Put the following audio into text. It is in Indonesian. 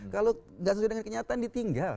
kalau nggak sesuai dengan kenyataan ditinggalkan